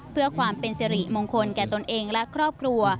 เพื่อความเป็นสิริมงคลแก่ตนเองและครอบครัว